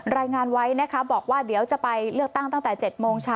รายงานไว้นะคะบอกว่าเดี๋ยวจะไปเลือกตั้งตั้งแต่๗โมงเช้า